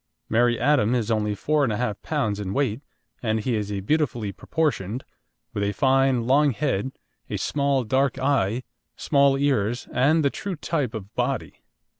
Merry Atom is only 4 1/2 lb. in weight, and he is beautifully proportioned, with a fine, long head, a small, dark eye, small ears, and the true type of body.